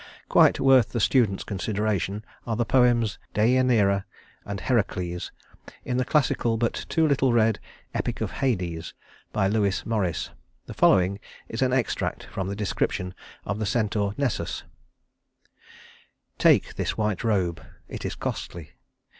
Quite worth the student's consideration are the poems "Deïaneira" and "Herakles" in the classical but too little read "Epic of Hades" by Lewis Morris. The following is an extract from the description of the Centaur Nessus: "Take This white robe. It is costly.